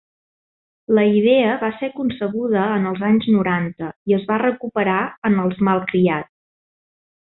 La idea va ser concebuda en els anys noranta i es va recuperar en els malcriats.